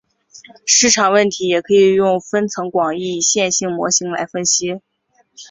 市场问题也可以用分层广义线性模型来分析。